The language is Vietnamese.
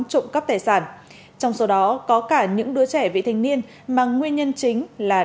trụng cấp tài sản trong số đó có cả những đứa trẻ vị thanh niên mà nguyên nhân chính là